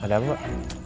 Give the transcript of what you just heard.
ada apa pak